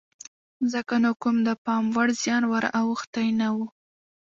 ځکه نو کوم د پام وړ زیان ور اوښتی نه و.